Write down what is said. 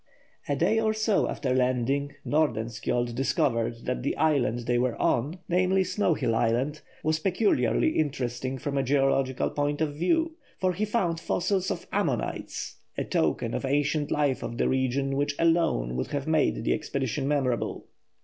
A day or so after landing, Nordenskjold discovered that the island they were on named Snow Hill Island was peculiarly interesting from a geological point of view, for he found fossils of ammonites, a token of ancient life of the region which alone would have made the expedition memorable.